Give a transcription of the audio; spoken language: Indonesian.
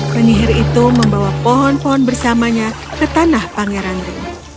penyihir itu membawa pohon pohon bersamanya ke tanah pangeran ring